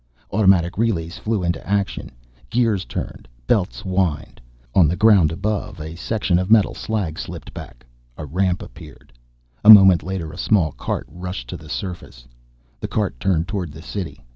Automatic relays flew into action. Gears turned, belts whined. On the ground above a section of metal slag slipped back. A ramp appeared. A moment later a small cart rushed to the surface. The cart turned toward the city.